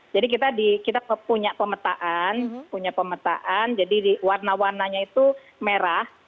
jadi kita punya pemetaan jadi warna warnanya itu merah